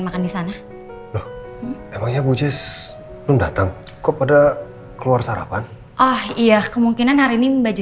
makan di sana emangnya bu just undatang kepada keluar sarapan oh iya kemungkinan hari ini baju